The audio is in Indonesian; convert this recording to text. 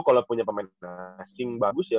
kalau punya pemain asing bagus ya